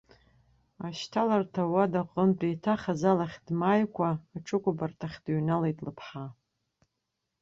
Ашьҭаларҭа уада аҟнытә, еиҭах азал ахь дмааикәа, аҽыкәабарҭахь дыҩналеит лыԥҳа.